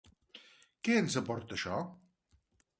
Què ens aporta això?